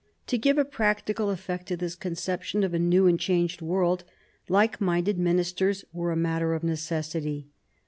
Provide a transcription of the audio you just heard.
To give a practical effect to this conception of a new and changed world, like minded ministers were a matter of necessity.